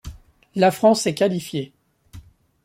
La France est qualifiée.